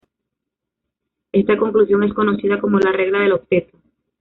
Esta conclusión es conocida como la regla del octeto.